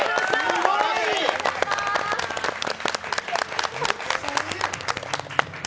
すごい。